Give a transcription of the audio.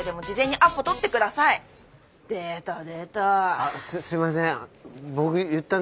あすいません。